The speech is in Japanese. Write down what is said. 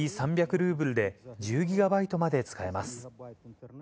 ルーブルで１０ギガバイトまで使えます。